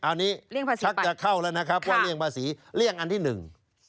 เรียงภาษีไปคักจะเข้าแล้วนะครับว่าเรียงภาษีเรียงอันที่หนึ่ง